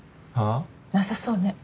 なさそうね。